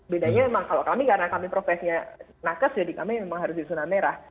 bedanya memang kalau kami karena kami profesinya nakesh jadi kami memang harus di sunamera